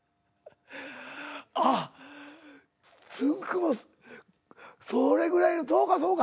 あっつんく♂もそれぐらいそうかそうか。